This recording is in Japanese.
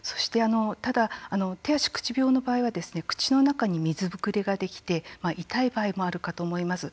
ただ、手足口病の場合は口の中に水ぶくれができて痛い場合もあるかと思います。